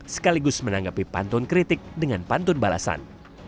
sekaligus menanggapi pantun kritik dengan pantun balasan